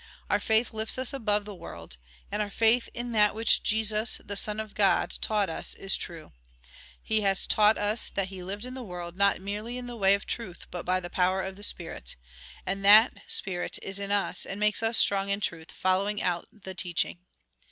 Oiu: faith lifts us above the world. And our faith in that which Jesus, the Son of God, taught us, is true. He has taught us that he lived in the world, not merely in the way of truth, but by the power of the spirit. And that spirit is in us, and makes us strong in truth, fol lowing out the teaching.